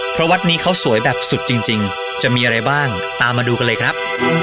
เพราะวัดนี้เขาสวยแบบสุดจริงจะมีอะไรบ้างตามมาดูกันเลยครับ